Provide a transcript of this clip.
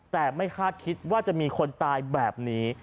แต่ไม่คาดคิดว่าจะมีคนตายแบบนี้